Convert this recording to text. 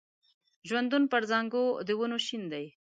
ژوندون پر څانګو د ونو شین دی